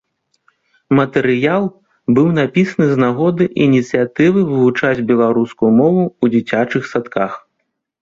Матэрыял быў напісаны з нагоды ініцыятывы вывучаць беларускую мову ў дзіцячых садках.